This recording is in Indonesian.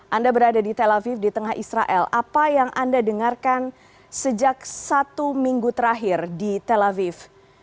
anda berada di tel aviv di tengah israel apa yang anda dengarkan sejak satu minggu terakhir di tel aviv